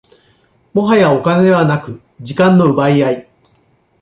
もはやお金ではなく時間の奪い合い